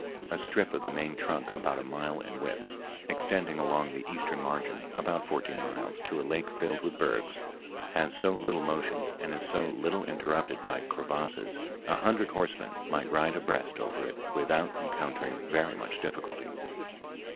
A strip of the main trunk about a mile in width, extending along the eastern margin about fourteen miles to a lake filled with bergs, has so little motion and is so little interrupted by crevasses, a hundred horsemen might ride abreast over it without encountering very much difficulty.